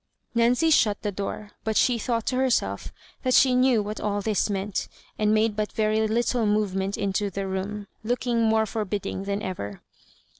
Nancy shut the door, but she thought to her self that she knew what all this meant, and made but a very little movement into the room, look ing more forbidding than ever.